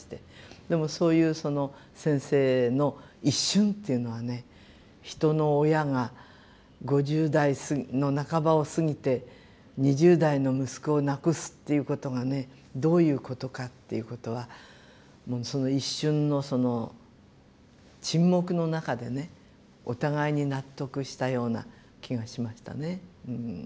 でもそういうその先生の一瞬っていうのはね人の親が５０代の半ばを過ぎて２０代の息子を亡くすっていうことがねどういうことかっていうことはその一瞬のその沈黙の中でねお互いに納得したような気がしましたね。